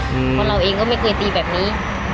เพราะเราเองก็ไม่เคยตีแบบนี้